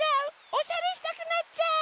おしゃれしたくなっちゃう！